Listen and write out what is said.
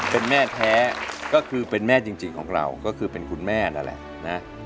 เป็นแม่แท้ก็คือเป็นแม่จริงของเราก็คือเป็นคุณแม่นั่นแหละนะ